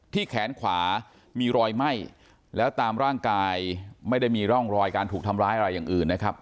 แขนขวามีรอยไหม้แล้วตามร่างกายไม่ได้มีร่องรอยการถูกทำร้ายอะไรอย่างอื่นนะครับ